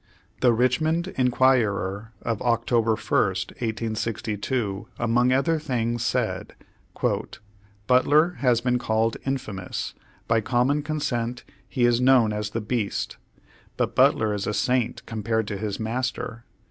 The Richynond Inquirer of Oct. 1, 1862, among other things, said: "Butler has been called infamous; by common consent he is known as the beast. But Butler is a saint compared to his master.